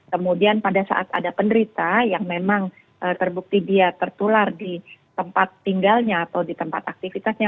kemudian pada saat ada penderita yang memang terbukti dia tertular di tempat tinggalnya atau di tempat aktivitasnya